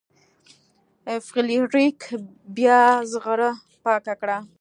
فلیریک بیا زغره پاکه کړه.